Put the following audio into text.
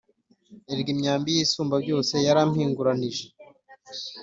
erega imyambi y’isumbabyose yarampinguranije,